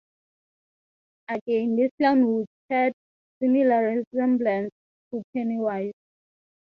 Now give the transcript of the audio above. Again this clown would shared similar resemblance to Pennywise.